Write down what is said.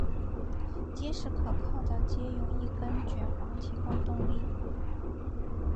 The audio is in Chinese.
结实可靠的藉由一根卷簧提供动力。